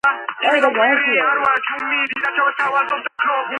სახელმწიფო ცენტრალიზებულ ხელისუფლებას საბოლოოდ დაუმორჩილა რელიგია.